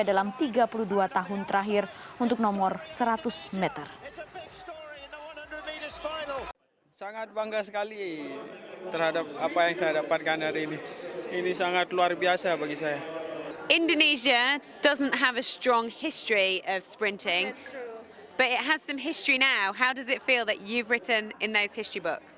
dalam tiga puluh dua tahun terakhir untuk nomor seratus meter